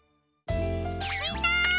みんな！